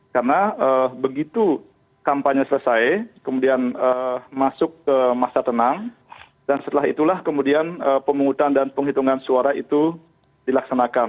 karena begitu kampanye selesai kemudian masuk ke masa tenang dan setelah itulah kemudian pemungutan dan penghitungan suara itu dilaksanakan